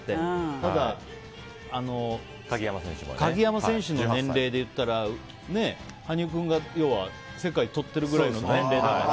ただ、鍵山選手の年齢でいったら羽生君が要は世界とってるくらいの年齢だから。